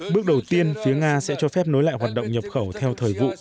bước đầu tiên phía nga sẽ cho phép nối lại hoạt động nhập khẩu theo thời vụ